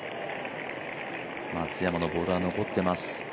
松山のボールが残ってます。